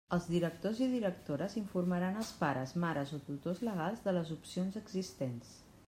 Els directors i directores informaran els pares, mares o tutors legals de les opcions existents.